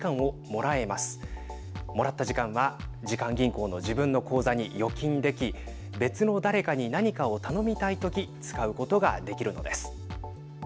もらった時間は時間銀行の自分の口座に預金でき別の誰かに何かを頼みたいとき使うことができるのです。